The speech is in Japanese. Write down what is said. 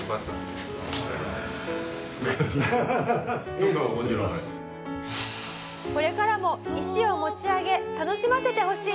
いやそんなこれからも石を持ち上げ楽しませてほしい。